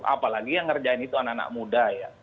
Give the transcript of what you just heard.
apalagi yang ngerjain itu anak anak muda ya